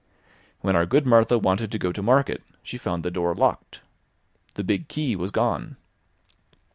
When our good Martha wanted to go to Market, she found the door locked. The big key was gone.